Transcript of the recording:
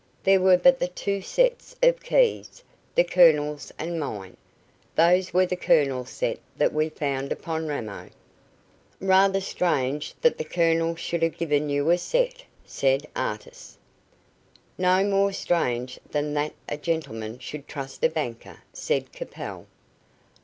There were but the two sets of keys the Colonel's and mine. Those were the Colonel's set that we found upon Ramo." "Rather strange that the Colonel should have given you a set," said Artis. "No more strange than that a gentleman should trust a banker," said Capel.